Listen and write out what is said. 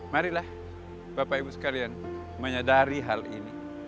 marilah bapak ibu sekalian menyadari hal ini